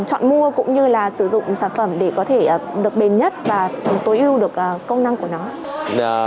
chọn mua cũng như là sử dụng sản phẩm để có thể được bền nhất và tối ưu được công năng của nó